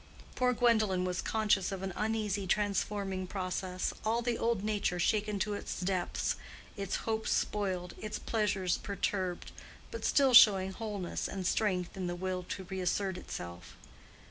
Poor Gwendolen was conscious of an uneasy, transforming process—all the old nature shaken to its depths, its hopes spoiled, its pleasures perturbed, but still showing wholeness and strength in the will to reassert itself.